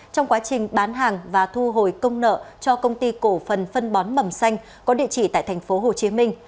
trong quá trình bán hàng và thu hồi công nợ cho công ty cổ phần phân bón mầm xanh có địa chỉ tại thành phố hồ chí minh